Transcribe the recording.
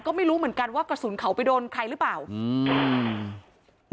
ก็ไม่รู้เหมือนกันว่ากระสุนเขาไปโดนใครหรือเปล่าอืม